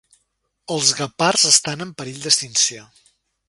Els guepards estan en perill d"extinció.